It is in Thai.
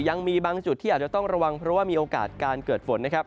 ยังมีบางจุดที่อาจจะต้องระวังเพราะว่ามีโอกาสการเกิดฝนนะครับ